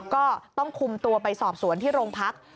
ก็ต้องคุมตัวไปสอบสวนที่โรงพัก